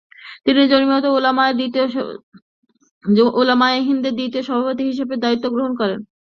তিনি জমিয়ত উলামায়ে হিন্দের দ্বিতীয় সভাপতি হিসেবে দায়িত্ব গ্রহণ করেন।